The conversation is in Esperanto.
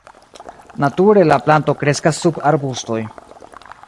Nature la planto kreskas sub arbustoj.